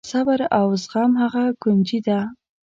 صبر او زغم هغه کونجي ده.